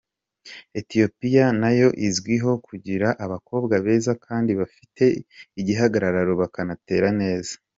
Ethiopia nayo izwiho kugira bakobwa beza kandi bafite igihagararo bakanatera neza.